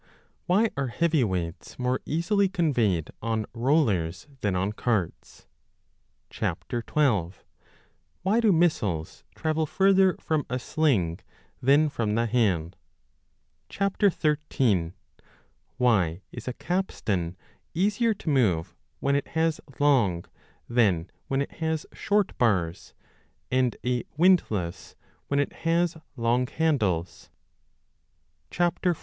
Why are heavy weights more easily conveyed on rollers than on carts ? 12. Why do missiles travel further from a sling than from the hand? 13. Why is a capstan easier to move when it has long than when it has short bars, and a windlass when it has long handles ? 14.